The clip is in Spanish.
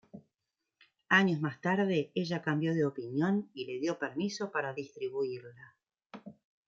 Años más tarde ella cambio de opinión y le dio permiso para distribuirla.